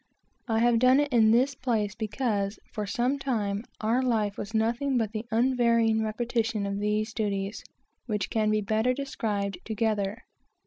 I have done it in this place because, for some time, our life was nothing but the unvarying repetition of these duties, which can be better described together.